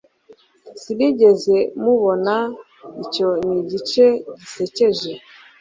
sinigeze mubona - icyo ni igice gisekeje